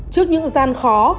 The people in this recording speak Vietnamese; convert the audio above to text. trước những gian khó